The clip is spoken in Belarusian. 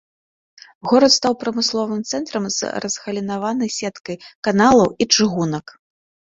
Горад стаў прамысловым цэнтрам з разгалінаванай сеткай каналаў і чыгунак.